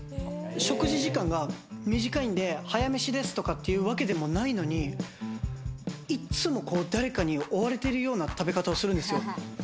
食事時間が短いんで、早飯ですとかっていうわけでもないのに、いつも誰かに追われているような食べ方をするんですよ。